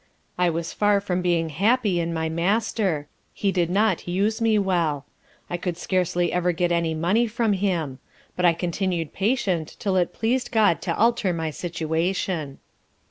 I was far from being happy in my Master, he did not use me well. I could scarcely ever get my money from him; but I continued patient 'till it pleased GOD to alter my situation.